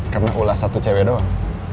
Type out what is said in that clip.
karena ulah satu cewek doang